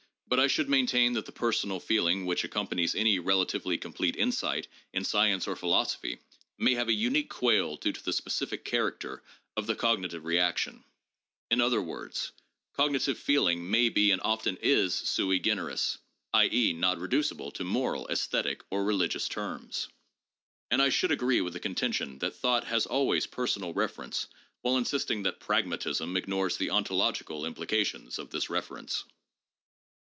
But I should maintain that the personal feeling which accompanies any relatively complete insight in science or philosophy may have a unique quale due to the specific character of the cognitive reaction. In other words, cognitive feeling may be and often is sui generis, i. e., not reducible to moral, esthetic, or religious terms. And I should agree with the contention that thought has always personal reference, while insisting that 'pragmatism' ignores the ontological implications of this reference.